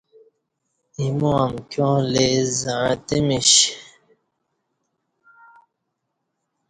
ایمو امکیاں لئی زعݩتہ میش